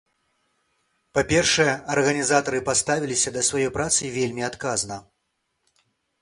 Па-першае, арганізатары паставіліся да сваёй працы вельмі адказна.